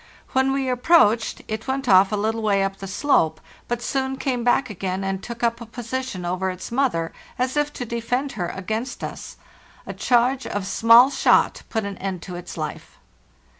When we approached, it went off a little way up the slope, but soon came back again and took up a position over its mother, as if to defend her against us. A charge of small shot put an end to its life.